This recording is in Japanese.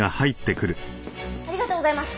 ありがとうございます。